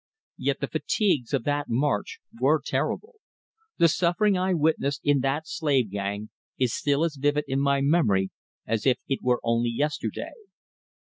Yet the fatigues of that march were terrible. The suffering I witnessed in that slave gang is still as vivid in my memory as if it were only yesterday.